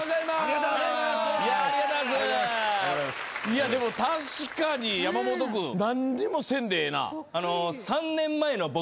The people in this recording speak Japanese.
いやでも確かに山本君何にもせんでええな。